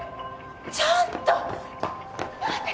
ちょっと待って。